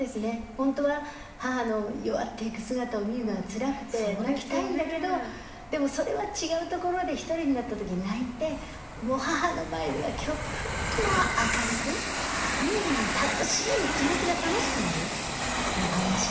本当は母の弱っていく姿を見るのはつらくて泣きたいんだけどでもそれは違うところで一人になった時泣いてもう母の前では極力もう明るく楽しい気持ちが楽しくなる話を随分しましたね。